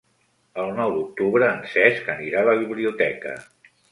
El nou d'octubre en Cesc anirà a la biblioteca.